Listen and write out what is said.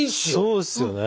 そうっすよね。